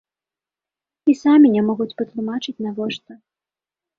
І самі не могуць патлумачыць, навошта.